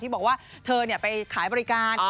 บอกว่าเธอไปขายบริการ